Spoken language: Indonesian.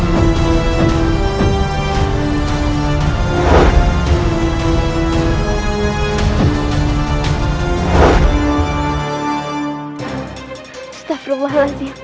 setafrullahaladzim asap beracun ya allah aku harus memberitahu rahka wang sungguh